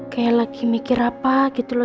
kayak lagi mikir apa gitu loh